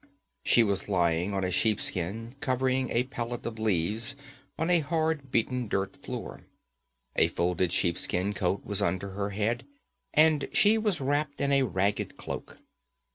She was lying on a sheepskin covering a pallet of leaves on a hard beaten dirt floor. A folded sheepskin coat was under her head, and she was wrapped in a ragged cloak.